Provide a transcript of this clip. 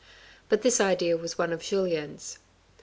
But this idea was one of Julien's.